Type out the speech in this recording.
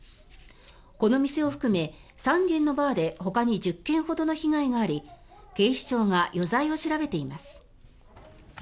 この店を含め３軒のバーでほかに１０件ほどの被害があり警視庁が余罪を調べています。